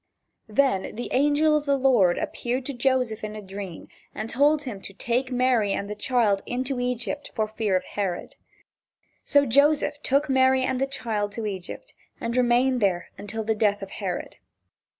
Then the angel of the Lord appeared to Joseph in a dream and told him to take Mary and the child into Egypt for fear of Herod. So Joseph took Mary and the child to Egypt and remained there until the death of Herod.